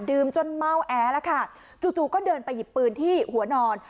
ดื่มจนเม่าแอละค่ะจุดก็เดินไปหยิบปืนที่หัวนอน